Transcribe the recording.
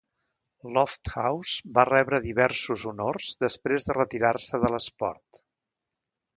Lofthouse va rebre diversos honors després de retirar-se de l'esport.